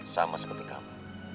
sama seperti kamu